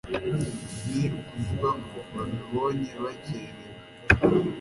Ni ukuvuga ko babibonye bakerewe